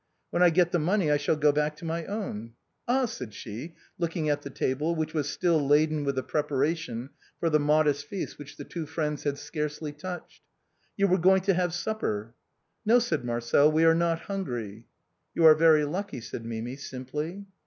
When I get the money I shall go back to my own. Ah !" said she, looking at the table, which was still laden with the preparation for the modest feast which the two friends had scarcely touched; " you were going to have supper ?"" No," said Marcel, " we are not hungry." " You are very lucky," said Mimi, simply.